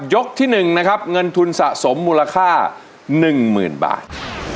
ที่๑นะครับเงินทุนสะสมมูลค่า๑๐๐๐บาท